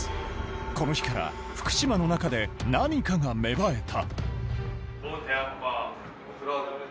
この日から福嶌の中で何かが芽生えた。